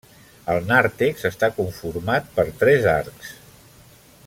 El nàrtex està conformat per tres arcs.